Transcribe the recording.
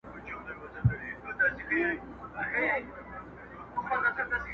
پلو مي باد واخیست وړیا دي ولیدمه،